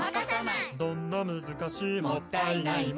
「どんな難しいもったいないも」